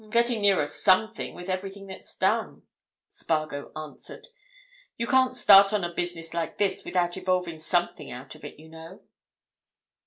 "I'm getting nearer something with everything that's done," Spargo answered. "You can't start on a business like this without evolving something out of it, you know."